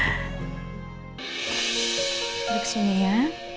duduk sini ya